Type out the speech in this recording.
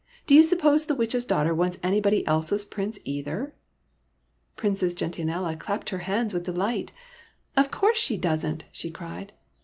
'' Do you suppose the Witch's daugh ter wants anybody else's Prince, either ?" Princess Gentianella clapped her hands with delight. '' Of course she does n't !" she cried.